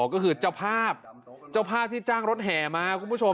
ก็คือเจ้าภาพเจ้าภาพที่จ้างรถแห่มาคุณผู้ชม